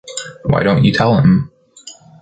Why don’t you tell him?